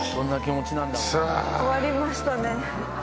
終わりましたね。